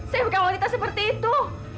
saya bukan wanita seperti itu